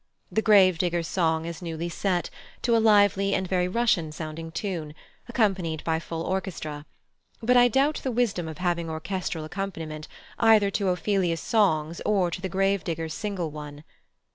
The Gravedigger's song is newly set, to a lively and very Russian sounding tune, accompanied by full orchestra; but I doubt the wisdom of having orchestral accompaniment either to Ophelia's songs or to the Grave digger's single one.